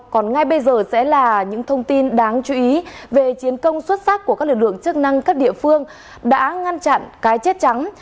còn ngay bây giờ sẽ là những thông tin đáng chú ý về chiến công xuất sắc của các lực lượng chức năng các địa phương đã ngăn chặn cái chết trắng